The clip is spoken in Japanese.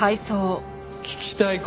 聞きたい事？